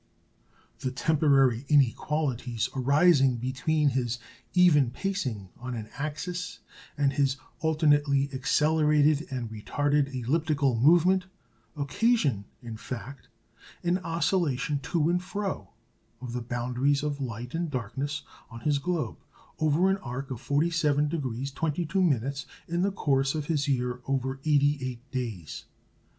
The temporary inequalities arising between his "even pacing" on an axis and his alternately accelerated and retarded elliptical movement occasion, in fact, an oscillation to and fro of the boundaries of light and darkness on his globe over an arc of 47° 22', in the course of his year of 88 days.